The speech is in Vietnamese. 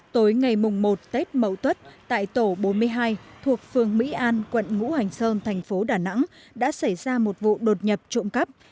tối ngày một tết mậu tuất tại tổ bốn mươi hai thuộc phường mỹ an quận ngũ hành sơn thành phố đà nẵng đã xảy ra một vụ đột nhập trộm cắp